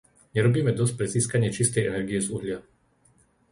Nerobíme dosť pre získanie čistej energie z uhlia.